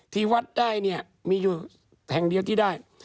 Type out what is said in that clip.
ที่วัดได้เนี่ยมีอยู่แห่งเดียวที่ได้